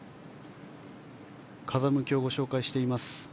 風向きをご紹介しています。